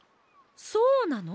そうなの？